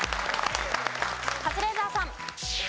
カズレーザーさん。